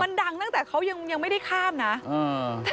มันดังตั้งแต่เขายังไม่ได้ข้ามนะ